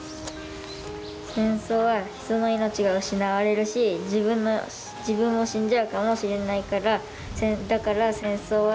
「戦争は人の命がうしなわれるし自分も死んじゃうかもしれないからだから戦争はやってはいけないと思います。